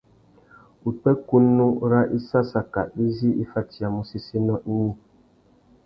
Upwêkunú râ issassaka izí i fatiyamú séssénô ignï.